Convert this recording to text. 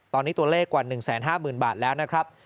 ตอนนี้ตัวเลขกว่า๑๕๐๐๐บาทแล้วนะครับ